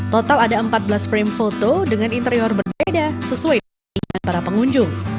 total ada empat belas frame foto dengan interior berbeda sesuai dengan para pengunjung